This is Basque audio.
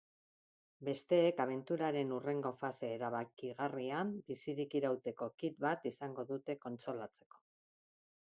Besteek abenturaren hurrengo fase erabakigarrian bizirik irauteko kit bat izango dute kontsolatzeko.